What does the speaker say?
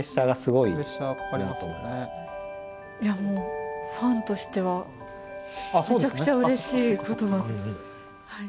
いやもうファンとしてはめちゃくちゃうれしい言葉です。